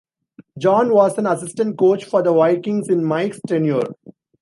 John was an assistant coach for the Vikings in Mike's tenure.